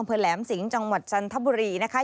เพื่อแหลมสิงห์จังหวัดจันทบุรีนะคะ